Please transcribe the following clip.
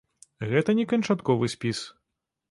Гэта не канчатковы спіс.